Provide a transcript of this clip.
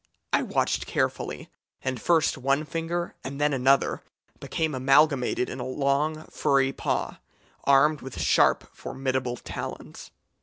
I watched carefully, and first one finger, and then another, became amalgamated in a long, furry paw, armed with sharp, formidable talons.